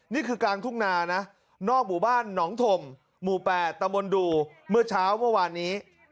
นี่คือกลางทุ่งนานะนอกหมู่บ้านหนองถมหมู่๘ตะมนต์ดูเมื่อเช้าเมื่อวานนี้